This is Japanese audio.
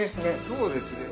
そうですね。